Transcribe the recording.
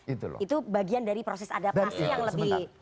itu bagian dari proses adaptasi yang lebih